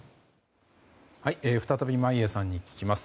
再び眞家さんに聞きます。